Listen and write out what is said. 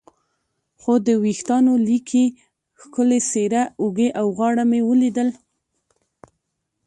خو د وریښتانو لیکې، ښکلې څېره، اوږې او غاړه مې ولیدل.